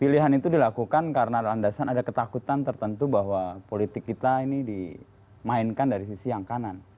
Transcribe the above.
pilihan itu dilakukan karena landasan ada ketakutan tertentu bahwa politik kita ini dimainkan dari sisi yang kanan